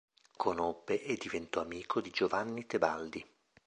Conobbe e diventò amico di Giovanni Tebaldi.